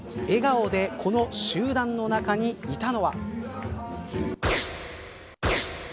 笑顔でこの集団の中にいたのは。